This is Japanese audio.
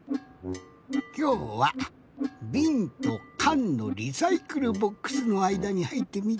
きょうはびんとかんのリサイクルボックスのあいだにはいってみたんじゃ。